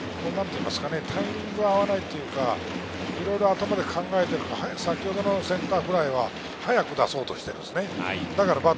タイミングが合わないというか、いろいろ頭で考えているのか、先ほどのセンターフライは早く出そうとしているんです。